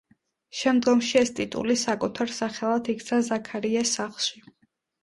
შემდგომში ეს ტიტული საკუთარ სახელად იქცა ზაქარიას სახლში.